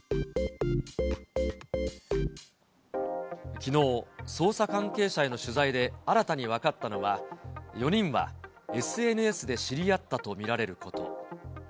きのう、捜査関係者への取材で新たに分かったのは、４人はＳＮＳで知り合ったと見られること。